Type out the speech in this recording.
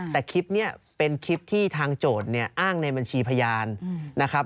แต่คลิปนี้เป็นคลิปที่ทางโจทย์เนี่ยอ้างในบัญชีพยานนะครับ